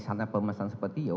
saya akan mencoba untuk mencoba